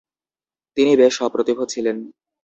তিনি বেশ সপ্রতিভ ছিলেন।